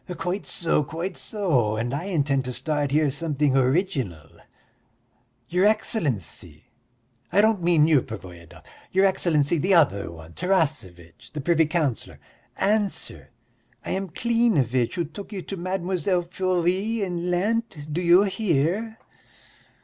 "Quite so, quite so, and I intend to start here something original. Your Excellency I don't mean you, Pervoyedov your Excellency the other one, Tarasevitch, the privy councillor! Answer! I am Klinevitch, who took you to Mlle. Furie in Lent, do you hear?"